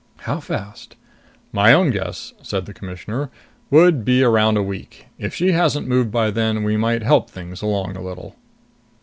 "How fast?" "My own guess," said the Commissioner, "would be around a week. If she hasn't moved by then, we might help things along a little."